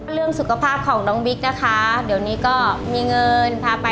เรื่องสุขภาพของวิทย์นะคะ